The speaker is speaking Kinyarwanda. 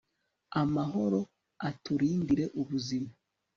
amahoro, uturindire ubuzima